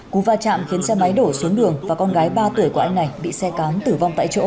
cú va chạm khiến xe máy đổ xuống đường và con gái ba tuổi của anh này bị xe cám tử vong tại chỗ